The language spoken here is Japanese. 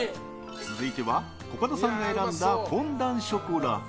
続いてはコカドさんが選んだフォンダンショコラ。